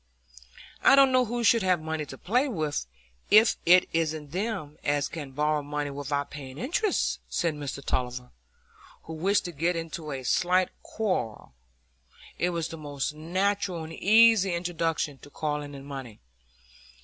"I don't know who should have money to play with, if it isn't them as can borrow money without paying interest," said Mr Tulliver, who wished to get into a slight quarrel; it was the most natural and easy introduction to calling in money.